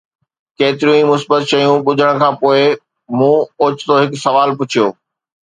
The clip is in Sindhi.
ڪيتريون ئي مثبت شيون ٻڌڻ کان پوء، مون اوچتو هڪ سوال پڇيو